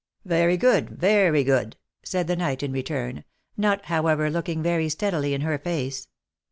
" Very good, very good," said the knight, in return — not, however, looking very steadily in her face.